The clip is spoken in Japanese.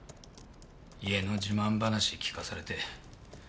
家の自慢話聞かされて。